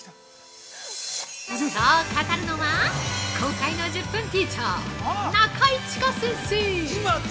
◆そう語るのは、今回の「１０分ティーチャー」中井千佳先生。